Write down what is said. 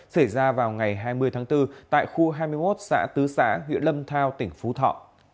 xảy ra vào ngày hai mươi tháng bốn tại khu hai mươi một xã tứ xã huyện lâm thao tỉnh phú thọ